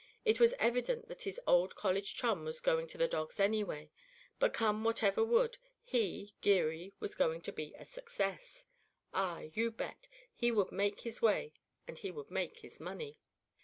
It was evident that his old college chum was going to the dogs anyway, but come whatever would, he, Geary, was going to be a success. Ah, you bet, he would make his way and he would make his money.